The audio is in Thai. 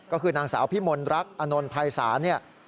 ก็คือนางสาวพิมนต์รักอนนพัยศาเนี่ย